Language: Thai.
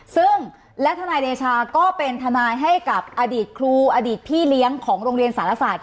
ซึ่งและทนายเดชาก็เป็นทนายให้กับอดีตครูอดีตพี่เลี้ยงของโรงเรียนสารศาสต